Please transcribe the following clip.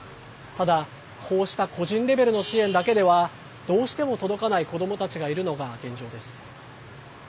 ただ、こうした個人レベルの支援だけではどうしても届かない子どもたちがいるのが現状です。